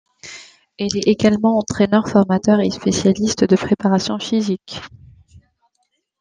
Il est également entraineur-formateur et spécialiste de préparation physique.